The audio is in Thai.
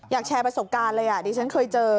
อยากแชร์ประสบการณ์เลยที่ฉันเคยเจอ